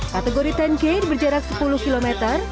kategori sepuluh k berjarak sepuluh km